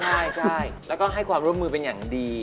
ใช่แล้วก็ให้ความร่วมมือเป็นอย่างดี